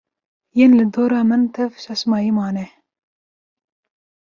Yên li dora min tev şaşmayî mane